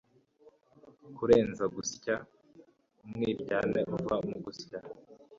Kurenza gusya umwiryane uva mu gusya